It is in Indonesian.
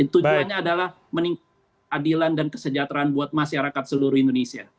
tujuannya adalah meningkat adilan dan kesejahteraan buat masyarakat seluruh indonesia